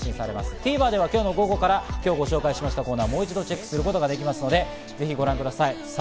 ＴＶｅｒでは今日の午後から今日紹介したコーナーをもう一度チェックすることができますので、ぜひご覧ください。